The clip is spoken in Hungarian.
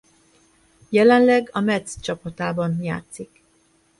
Jelenleg a Metz csapatában játszik.